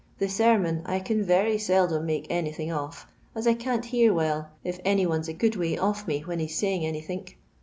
The sermon I can very seldom make anything of, as I can't hear well if any one's a good way off me when he's saying anythink.